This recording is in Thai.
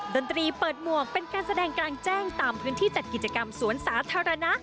ดนตรีเปิดหมวกเป็นการแสดงกลางแจ้งตามพื้นที่จัดกิจกรรมสวนสาธารณะ